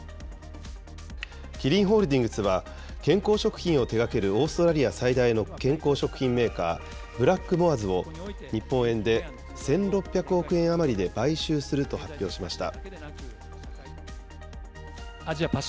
キリンホールディングスは、健康食品を手がけるオーストラリア最大の健康食品メーカー、ブラックモアズを、日本円で１６００億円余りで買収すると発表しました。